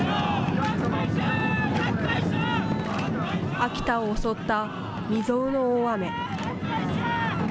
秋田を襲った未曽有の大雨。